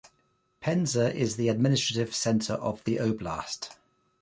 Penza is the administrative center of the oblast.